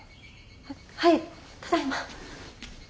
ははいただいま。